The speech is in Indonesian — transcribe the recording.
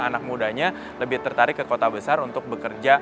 anak mudanya lebih tertarik ke kota besar untuk bekerja